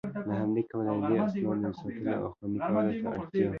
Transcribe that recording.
له همدي کبله د دې اسنادو د ساتلو او خوندي کولو ته اړتيا